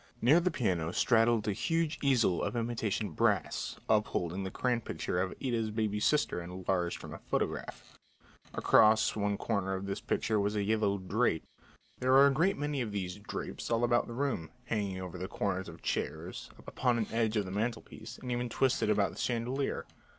Near the piano straddled a huge easel of imitation brass up holding the crayon picture of Ida's baby sister enlarged from a photograph. Across one corner of this picture was a yellow "drape." There were a great many of these "drapes" all about the room, hanging over the corners of the chairs, upon an edge of the mantelpiece, and even twisted about the chandelier.